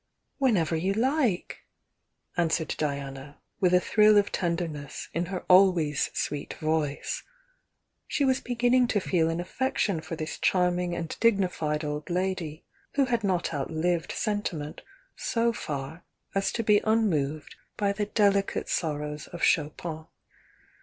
"Whenever you like," answered Diana, with a thrill of tenderness in her always sweet voice, — she was beginning to feel an affection for this charming and dignified old lady, who had not outlived senti ment so far as to be unmoved by the delicate sor rows of Chopin.